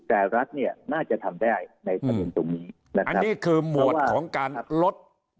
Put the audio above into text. แต่รัฐเนี่ยน่าจะทำได้ในประเด็นตรงนี้นะครับอันนี้คือหมวดของการลด